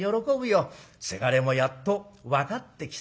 『せがれもやっと分かってきたか』。